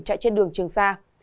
chạy trên đường trường sa